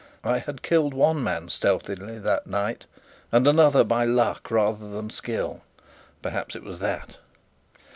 I had killed one man stealthily that night, and another by luck rather than skill perhaps it was that.